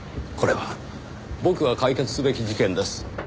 これは僕が解決すべき事件です。